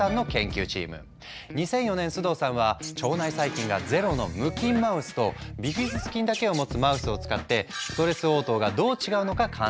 ２００４年須藤さんは腸内細菌がゼロの無菌マウスとビフィズス菌だけを持つマウスを使ってストレス応答がどう違うのか観察したんだ。